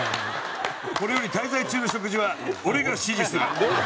「これより滞在中の食事は俺が指示する！」